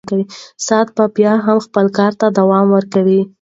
ساعت به بیا هم خپل کار ته ادامه ورکوي.